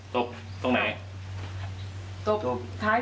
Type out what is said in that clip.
ตกท้ายถอย